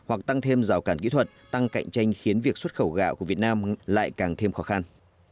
hoặc tăng thêm rào cản kỹ thuật tăng cạnh tranh khiến việc xuất khẩu gạo của việt nam lại càng thêm khó khăn